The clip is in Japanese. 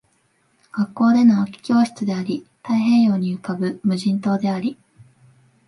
学校での空き教室であり、太平洋に浮ぶ無人島であり